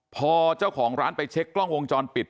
พอเจ้าของร้านไปเช็คกล้องวงจรปิด